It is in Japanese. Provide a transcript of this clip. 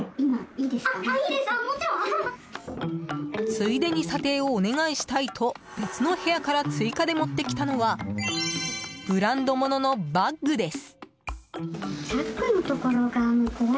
ついでに査定をお願いしたいと別の部屋から追加で持ってきたのはブランド物のバッグです。